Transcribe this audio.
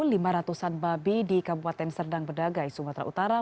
lima ratusan babi di kabupaten serdang bedagai sumatera utara